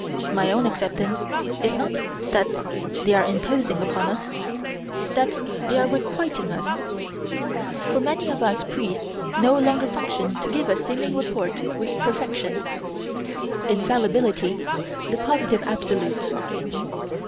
My own acceptance is not that they are imposing upon us: that they are requiting us. For many of us priests no longer function to give us seeming rapport with Perfection, Infallibility the Positive Absolute.